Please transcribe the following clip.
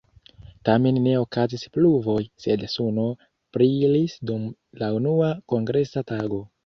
Tamen ne okazis pluvoj sed suno brilis dum la unua kongresa tago.